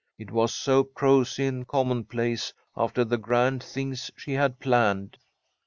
It was so prosy and commonplace after the grand things she had planned."